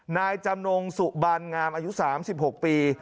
นายจำนงสุบันงามอายุ๓๖ปี